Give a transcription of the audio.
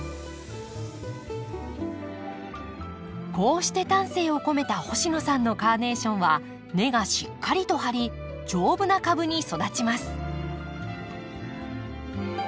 こうして丹精を込めた星野さんのカーネーションは根がしっかりと張り丈夫な株に育ちます。